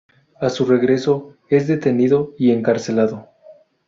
A su regreso, es detenido y encarcelado.